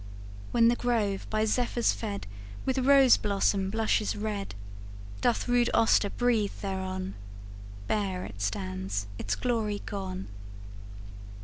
When the grove, by Zephyrs fed, With rose blossom blushes red; Doth rude Auster breathe thereon, Bare it stands, its glory gone.